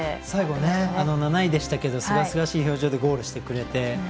最後、７位でしたけどすがすがしい表情でゴールしてくれて。